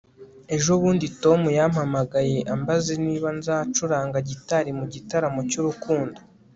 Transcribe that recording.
Ejo bundi Tom yampamagaye ambaza niba nzacuranga gitari mu gitaramo cyurukundo